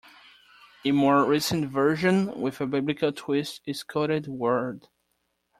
A more recent version, with a biblical twist, is CodedWord.